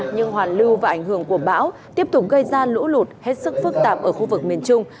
nhưng hoàn lưu và ảnh hưởng của bão tiếp tục gây ra lũ lụt hết sức phức tạp ở khu vực miền trung